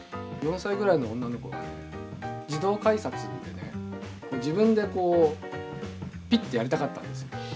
４歳ぐらいの女の子が、自動改札で、自分でこうぴってやりたかったんです。